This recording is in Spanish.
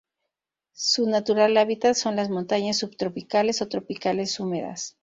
Su natural hábitat son las montañas subtropicales o tropicales húmedas.